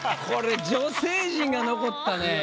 これ女性陣が残ったね。